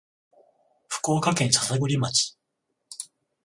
福岡県篠栗町